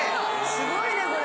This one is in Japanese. すごいねこれ。